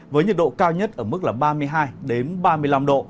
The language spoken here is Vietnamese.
với nhiệt độ cao nhất ở mức là ba mươi hai ba mươi năm độ